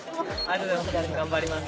頑張ります。